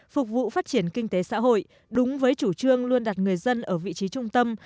phục vụ phát triển kinh tế xã hội đúng với chủ trương luôn đặt người dân ở vị trí trung tâm